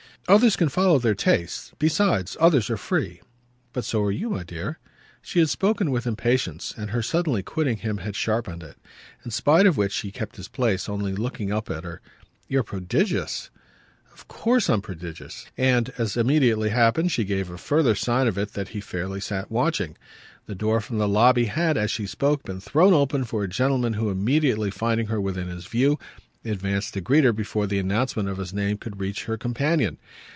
"Others can follow their tastes. Besides, others are free." "But so are you, my dear!" She had spoken with impatience, and her suddenly quitting him had sharpened it; in spite of which he kept his place, only looking up at her. "You're prodigious!" "Of course I'm prodigious!" and, as immediately happened, she gave a further sign of it that he fairly sat watching. The door from the lobby had, as she spoke, been thrown open for a gentleman who, immediately finding her within his view, advanced to greet her before the announcement of his name could reach her companion.